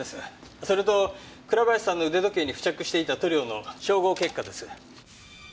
それと倉林さんの腕時計に付着していた塗料の照合結果です。